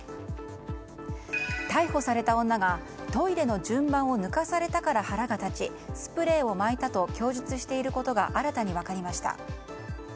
逮捕された女がトイレの順番を抜かされたから腹が立ち、スプレーをまいたと供述していることが新たに分かりました。